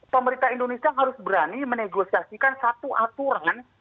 pemerintah indonesia harus berani menegosiasikan satu aturan